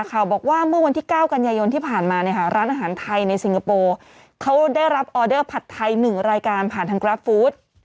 บอกว่าเมื่อวันที่๙กันยายนที่ผ่านมาร้านอาหารไทยในสิงคโปร์เขาได้รับออเดอร์ผัดไทย๑รายการผ่านทางกราฟฟู้ด